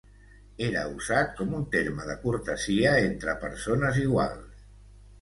Era usat com un terme de cortesia entre persones iguals.